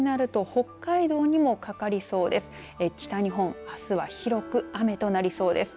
北日本あすは広く雨となりそうです。